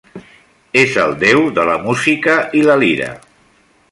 És el déu de la música i la lira.